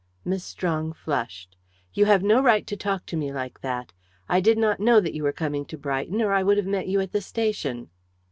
Miss Strong flushed. "You have no right to talk to me like that. I did not know that you were coming to Brighton, or I would have met you at the station."